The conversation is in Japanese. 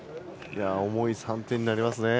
重い３点になりますね。